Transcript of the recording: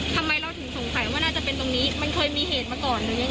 ทำไมเราถึงสงสัยว่าน่าจะเป็นตรงนี้มันเคยมีเหตุมาก่อนหรือยังไง